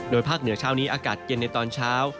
ภาคเหนือเช้านี้อากาศเย็นในตอนเช้า